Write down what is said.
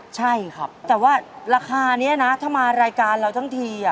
ใช่ครับแต่ว่าราคานี้นะถ้ามารายการเราทั้งที